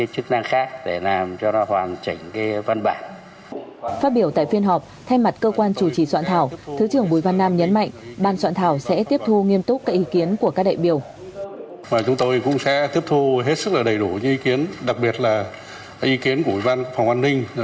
chúng tôi cũng sẽ tiếp thu hết sức đầy đủ những ý kiến đặc biệt là ý kiến của ủy ban quốc phòng an ninh